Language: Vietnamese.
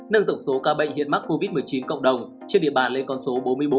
nâng tổng số ca bệnh hiện mắc covid một mươi chín cộng đồng trên địa bàn lên con số bốn mươi bốn